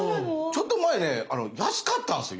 ちょっと前ね安かったんすよ